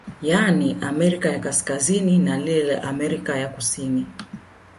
Yani Amerika ya kaskazini na lile la Amerika ya kusini